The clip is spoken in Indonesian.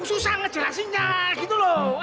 susah ngejelasinnya gitu loh